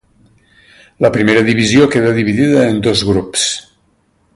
La primera divisió queda dividida en dos grups.